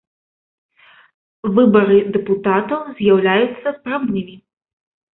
Выбары дэпутатаў з’яўляюцца прамымі.